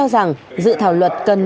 để giải quyết